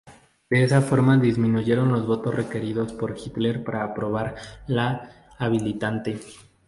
De esa forma disminuyeron los votos requeridos por Hitler para aprobar la Habilitante.